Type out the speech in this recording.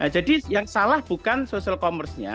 yang salah bukan social commerce nya